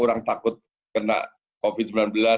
orang takut kena covid sembilan belas